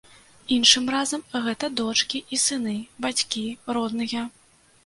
Іншым разам гэта дочкі і сыны, бацькі, родныя.